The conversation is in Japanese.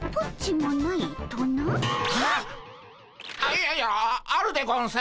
いやいやあるでゴンス。